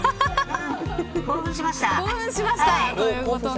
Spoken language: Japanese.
興奮しました。